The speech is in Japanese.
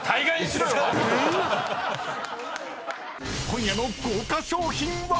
［今夜の豪華賞品は⁉］